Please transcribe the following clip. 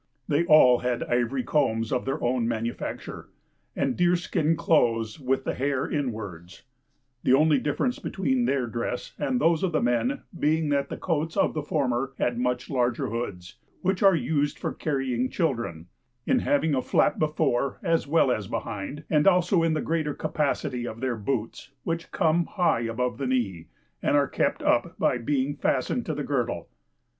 They all had ivory combs of their own manufacture, and deer skin clothes with the hair inwards; the only difference between their dresses and those of the men being that the coats of the former had much larger hoods, (which are used for carrying children,) in having a flap before as well as behind, and also in the greater capacity of their boots, which come high above the knee, and are kept up by being fastened to the girdle.